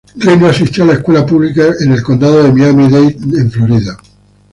Reno asistió a la escuela pública en el condado de Miami-Dade en Florida.